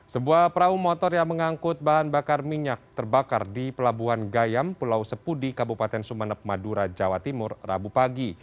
sebuah perahu motor yang mengangkut bahan bakar minyak terbakar di pelabuhan gayam pulau sepudi kabupaten sumeneb madura jawa timur rabu pagi